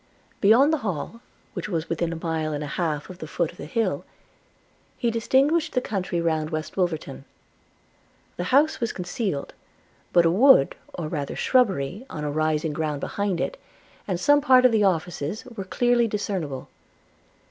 Beyond the Hall, which was within a mile and a half of the foot of the hill, he distinguished the country round West Wolverton; – the house was concealed; but a wood, or rather shrubbery, on a rising ground behind it, and some part of the offices, were clearly discernible.